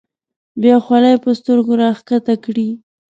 بیا خولۍ په سترګو راښکته کړي.